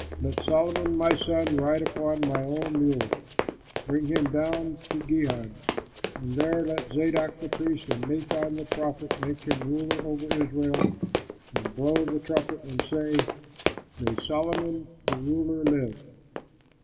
Let Solomon my son ride upon my own mule, bring him down to Gihon, and there let Zadok the priest and Nathan the prophet make him ruler over Israel and blow the trumpet and say, 'May Solomon the ruler live!'